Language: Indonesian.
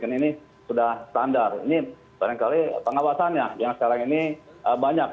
karena ini sudah standar ini paling kali pengawasannya yang sekarang ini banyak